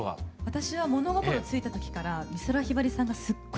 私は物心ついた時から美空ひばりさんがすっごく大好きで。